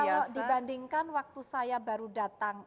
kalau dibandingkan waktu saya baru datang